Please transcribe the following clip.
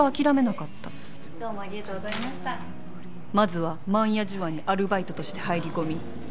まずは万屋寿庵にアルバイトとして入り込み